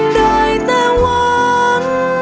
ได้แต่หวัง